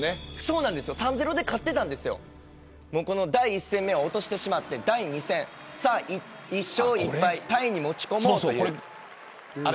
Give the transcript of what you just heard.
３対０で勝っていたんですけど第１戦目は落としてしまって第２戦で１勝１敗、タイに持ち込もうというところです。